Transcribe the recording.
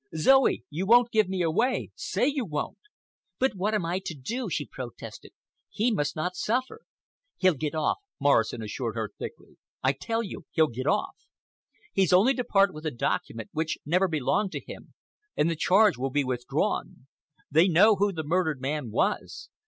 Zoe, you won't give me away? Say you won't!" "But what am I to do?" she protested. "He must not suffer." "He'll get off," Morrison assured her thickly. "I tell you he'll get off. He's only to part with the document, which never belonged to him, and the charge will be withdrawn. They know who the murdered man was.